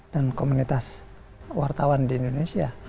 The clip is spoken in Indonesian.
komunitas wartawan di indonesia